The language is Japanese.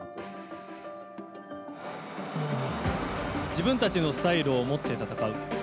自分たちのスタイルをもって戦う。